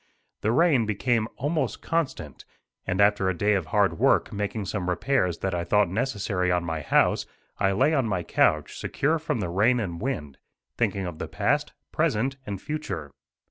The rain became almost constant, and after a day of hard work making some repairs that I thought necessary on my house, I lay on my couch, secure from the rain and wind, thinking of the past, present and future.